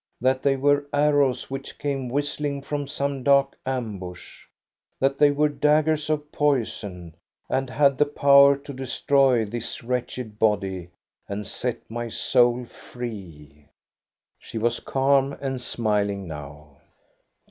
— that they were arrows which came whistling from some dark ambush; that they were daggers or poison, and had the power to destroy dlis wretched body and set my soul free I " 92 THE STORY OF GO ST A BERUNG She was calm and smiling now.